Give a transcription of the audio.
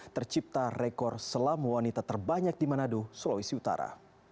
tercipta rekor selam wanita terbanyak di manado sulawesi utara